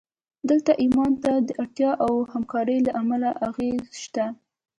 دلته ایمان ته د اړتیا او همکارۍ له امله اغېز شته